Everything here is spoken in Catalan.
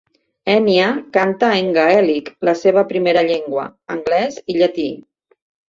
Enya canta en gaèlic, la seva primera llengua, anglès i llatí.